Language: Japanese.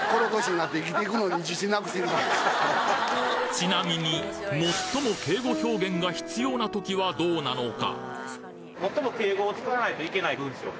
ちなみに最も敬語表現が必要な時はどうなのか？